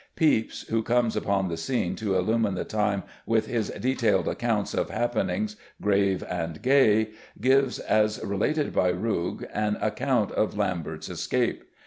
Pepys, who comes upon the scene to illumine the time with his detailed accounts of happenings grave and gay, gives, "as related by Rugge," an account of Lambert's escape.